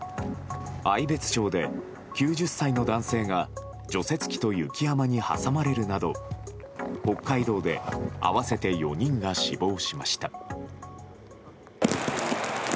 愛別町で９０歳の男性が除雪機と雪山に挟まれるなど北海道で合わせて４人が死亡しました。